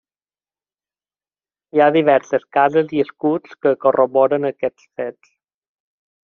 Hi ha diverses cases i escuts que corroboren aquests fets.